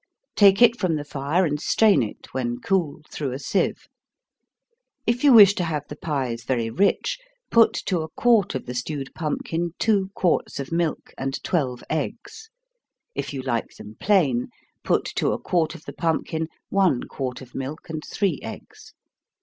Take it from the fire, and strain it, when cool, through a sieve. If you wish to have the pies very rich, put to a quart of the stewed pumpkin two quarts of milk, and twelve eggs. If you like them plain, put to a quart of the pumpkin one quart of milk, and three eggs.